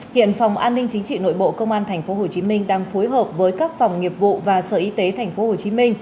hiện phòng an ninh chính trị nội bộ công an tp hcm đang phối hợp với các phòng nghiệp vụ và sở y tế tp hcm